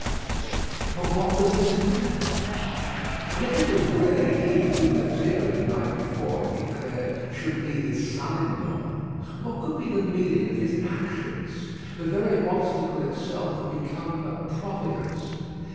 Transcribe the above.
But what was this man? and if it was really he whom Lethierry the night before had declared should be his son in law, what could be the meaning of his actions? The very obstacle itself had become a providence.